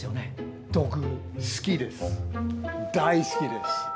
好きです。